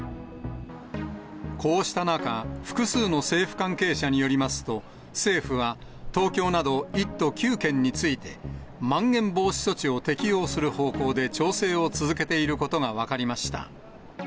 こうした中、複数の政府関係者によりますと、政府は、東京など１都９県について、まん延防止措置を適用する方向で調整を続けていることが分かりました。